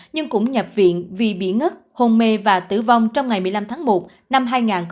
nhưng cũng nhập viện vì bị ngất hôn mê và tử vong trong ngày một mươi năm tháng một năm hai nghìn hai mươi